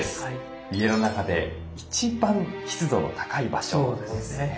家の中で一番湿度の高い場所ですね。